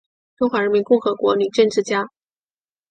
中华人民共和国女政治家。